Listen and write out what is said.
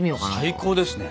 最高ですね。